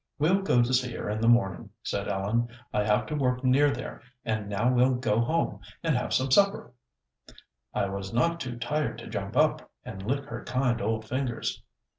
"We'll go see her in the morning," said Ellen. "I have to work near there, and now we'll go home, and have some supper." I was not too tired to jump up, and lick her kind, old fingers.